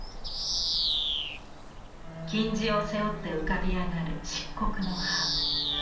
金地を背負って浮かび上がる漆黒の葉。